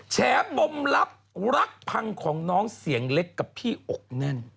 แฉปมลับรักพังของน้องเสียงเล็กกับพี่อกแน่น